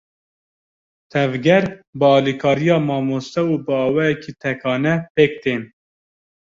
Tevger bi alîkariya mamoste û bi awayekî tekane, pêk tên.